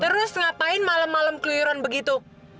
terus ngapain malam malam keluyuran begitu